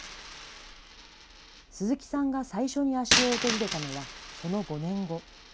鈴木さんが最初に足尾を訪れたのは、その５年後。